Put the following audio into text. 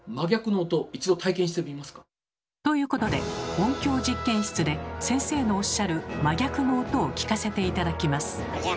ということで音響実験室で先生のおっしゃる「真逆の音」を聞かせて頂きます。